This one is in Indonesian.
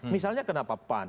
misalnya kenapa pan